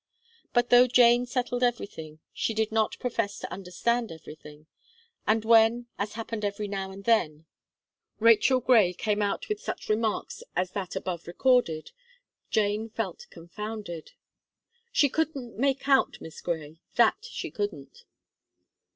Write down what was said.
But though Jane settled everything, she did not profess to understand everything; and when, as happened every now and then, Rachel Gray came out with such remarks as that above recorded, Jane felt confounded. "She couldn't make out Miss Gray that she couldn't."